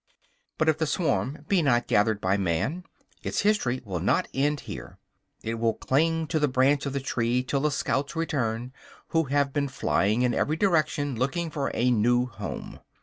But if the swarm be not gathered by man, its history will not end here. It will cling to the branch of the tree till the scouts return who have been flying in every direction looking for a new home.